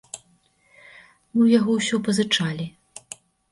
Мы ў яго ўсё пазычалі.